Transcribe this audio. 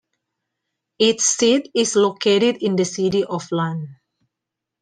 Its seat is located in the city of Lund.